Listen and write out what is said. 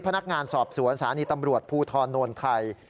พนักงานสอบสวนสถานีตำรวจภูทรโนนไทย